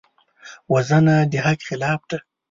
وژنه د حق خلاف ده